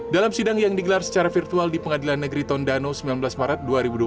dalam sidang yang digelar secara virtual di pengadilan negeri tondano sembilan belas maret dua ribu dua puluh